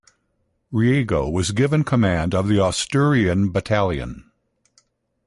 Riego was given command of the Asturian Battalion.